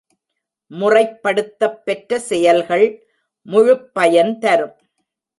முறைப்படுத்தப்பெற்ற செயல்கள் முழுப் பயன்தரும்.